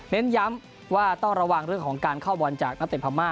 เน้นย้ำว่าต้องระวังเรื่องของการเข้าบอลจากนักเตะพม่า